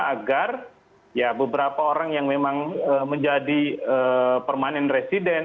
agar ya beberapa orang yang memang menjadi permanent resident